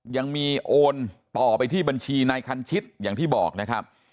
ยังมีโอนต่อไปที่บัญชีนายคันชิตอย่างที่บอกนะครับ